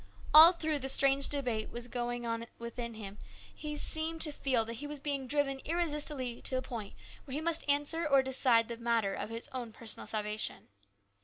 " All through the strange debate now going on within him he seemed to feel that he was being driven irresistibly to a point where he must answer or decide the matter of his own personal salvation.